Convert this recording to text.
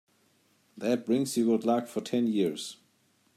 That brings you good luck for ten years.